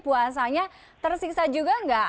puasanya tersiksa juga gak